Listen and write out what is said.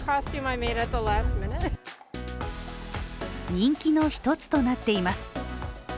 人気の一つとなっています。